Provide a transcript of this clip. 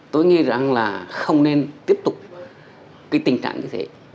tôi nghĩ rằng là không nên tiếp tục cái tình trạng như thế